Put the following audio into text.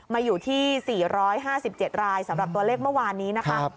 มาอยู่ที่๔๕๗รายสำหรับตัวเลขเมื่อวานนี้นะคะ